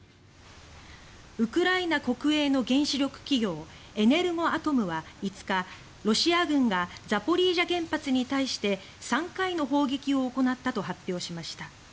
ウクライナ国営の原子力企業エネルゴアトムは５日ロシア軍がザポリージャ原発に対して３回の砲撃を行ったと発表しました。